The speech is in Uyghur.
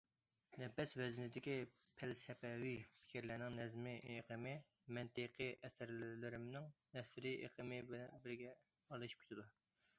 نەپەس ۋەزنىدىكى پەلسەپىۋى پىكىرلەرنىڭ نەزمىي ئېقىمى، مەنتىقىي ئەسەرلىرىمنىڭ نەسرىي ئېقىمى بىر- بىرىگە ئارىلىشىپ كېتىدۇ.